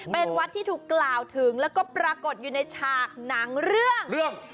เป็นวัดที่ถูกกล่าวถึงแล้วก็ปรากฏอยู่ในฉากหนังเรื่อง